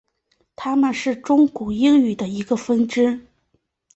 它是中古英语的一个分支。